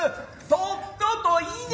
とっとといね。